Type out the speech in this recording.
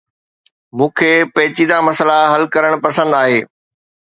مون کي پيچيده مسئلا حل ڪرڻ پسند آهي